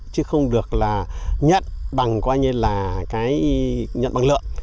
chứ không được là nhận bằng coi như là cái nhận bằng lượng